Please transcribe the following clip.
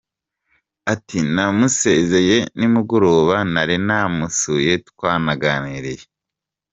Ati “Namusezeye nimugoroba, nari namusuye twanaganiriye.